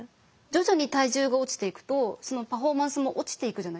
徐々に体重が落ちていくとそのパフォーマンスも落ちていくじゃないですか。